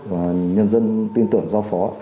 và nhân dân tin tưởng giao phó